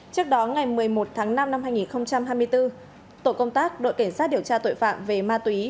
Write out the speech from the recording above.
trước đó ngày một mươi một tháng năm năm hai nghìn hai mươi bốn tổ công tác đội cảnh sát điều tra tội phạm về ma túy